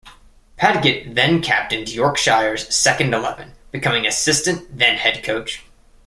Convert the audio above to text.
Padgett then captained Yorkshire's second eleven, becoming assistant, then head coach.